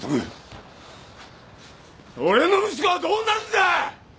俺の息子はどうなるんだ！？